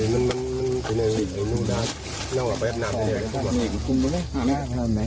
นำไปแบบน้ำได้ไหม